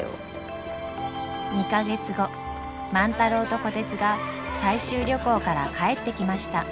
２か月後万太郎と虎鉄が採集旅行から帰ってきました。